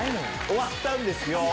終わったんですよ